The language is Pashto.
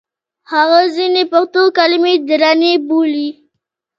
هغه ځینې پښتو کلمې درنې بولي.